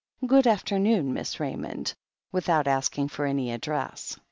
Good afternoon, Miss Ray mond," without asking for any address.